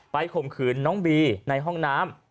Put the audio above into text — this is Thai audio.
ข่มขืนน้องบีในห้องน้ำ